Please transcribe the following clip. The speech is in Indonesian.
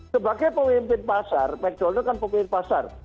sebagai pemimpin pasar mcdonald kan pemimpin pasar